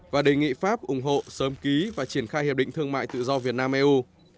và đề nghị pháp ủng hộ sớm ký và triển khai hiệp định thương mại tự do việt nam eu